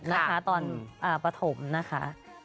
เคยประกวดตอนปฐมนะคะ